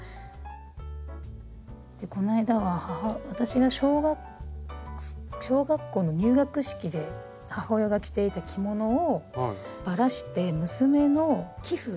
でこの間は私が小学校の入学式で母親が着ていた着物をばらして娘の被布。